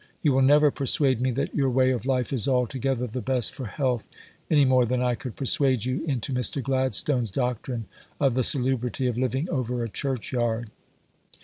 You will never persuade me that your way of life is altogether the best for health any more than I could persuade you into Mr. Gladstone's doctrine of the salubrity of living over a churchyard.